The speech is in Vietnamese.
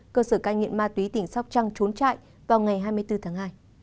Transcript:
cơ sở cai nghiện ma túy tỉnh sóc trăng trốn chạy vào ngày hai mươi bốn tháng hai